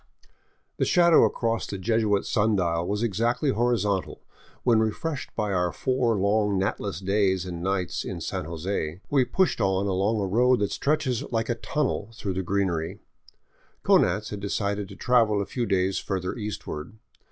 The shadow across the Jesuit sun dial was exactly horizontal when, refreshed by four long gnatless days and nights in San Jose, we pushed on along a road that stretched like a tunnel through the greenery. 586 SKIRTING THE GRAN CHACO Konanz had decided to travel a few days further eastward.